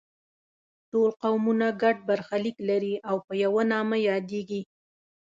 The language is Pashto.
ټول قومونه ګډ برخلیک لري او په یوه نامه یادیږي.